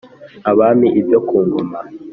Abami Ibyo Ku Ngoma